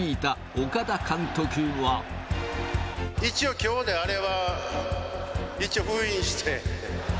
一応、きょうでアレは一応、封印して。